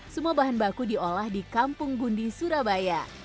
semua bahan baku diolah di kampung gundi surabaya